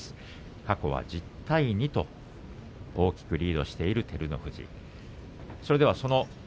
過去は１０対２と大きくリードしている照ノ富士です。